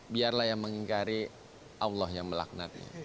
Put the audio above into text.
biarlah yang mengingkari allah yang melaknatnya